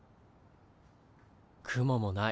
雲もない。